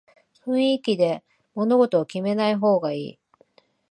雰囲気で物事を決めない方がいい